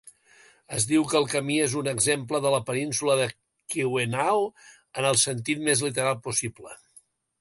Es diu que el camí és un exemple de la península de Keweenaw en el sentit més literal possible.